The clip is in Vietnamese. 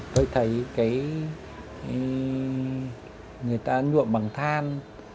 tôi thấy người ta nhuộm bằng than